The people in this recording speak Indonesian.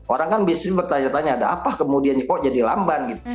orang kan biasanya bertanya tanya ada apa kemudian kok jadi lamban gitu